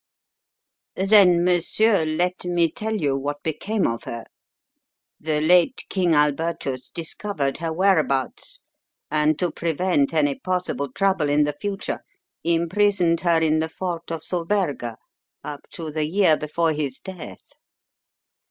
"Then, monsieur, let me tell you what became of her. The late King Alburtus discovered her whereabouts, and, to prevent any possible trouble in the future, imprisoned her in the Fort of Sulberga up to the year before his death.